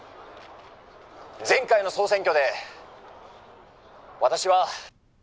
前回の総選挙で私は。